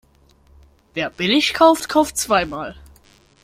Wer billig kauft, kauft zweimal.